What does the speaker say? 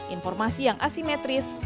informasi yang asimetris